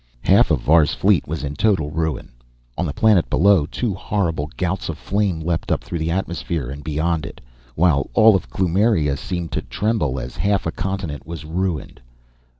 Half of Var's fleet was in total ruin. On the planet below, two horrible gouts of flame leaped up through the atmosphere and beyond it, while all of Kloomiria seemed to tremble as half a continent was ruined.